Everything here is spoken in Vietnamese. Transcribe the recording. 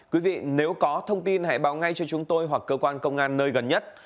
quý vị nếu có thông tin hãy báo ngay cho chúng tôi hoặc cơ quan công an nơi gần nhất